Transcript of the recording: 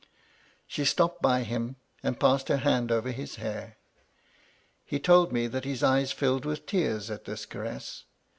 She stopped hy him, and passed her hand over his hair. He told me that his eyes filled with tears at this caress.